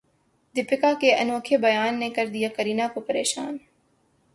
دیپیکا کے انوکھے بیان نے کردیا کرینہ کو پریشان